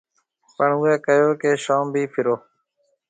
پڻ اُوئي ڪهيو ڪيَ شوم ڀِي ڦرِهون۔